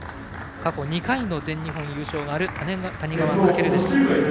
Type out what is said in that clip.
過去２回の全日本優勝のある谷川翔でした。